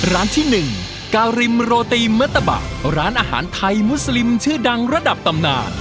ร้านที่๑การิมโรตีมัตตะบะร้านอาหารไทยมุสลิมชื่อดังระดับตำนาน